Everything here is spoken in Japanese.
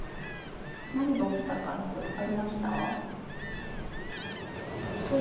何が起きたかって分かりました？